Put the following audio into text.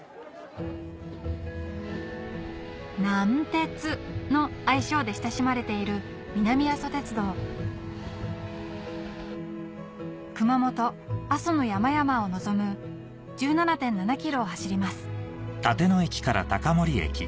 「なんてつ」の愛称で親しまれている南阿蘇鉄道熊本・阿蘇の山々を望む１７．７ｋｍを走ります